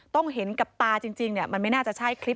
ต้องเห็นกับตาจริงเนี่ยมันไม่น่าจะใช่คลิป